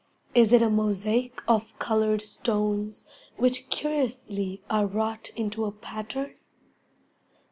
Is it a mosaic Of coloured stones which curiously are wrought Into a pattern?